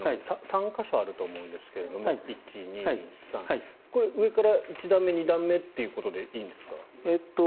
３か所あると思うんですが１、２、３。これ、上から１段目、２段目ということでいいんですか？